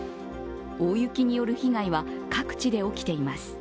大雪による被害は各地で起きています。